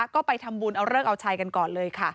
ก็ไปทำบุญเอาเลิกเอาชัยกันก่อนเลยค่ะ